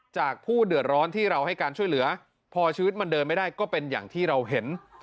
ผู้เดือดร้อนที่เราให้การช่วยเหลือพอชีวิตมันเดินไม่ได้ก็เป็นอย่างที่เราเห็น